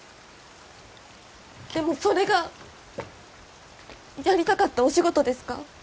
でもそれがやりたかったお仕事ですか？